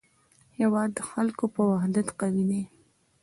هېواد د خلکو په وحدت قوي کېږي.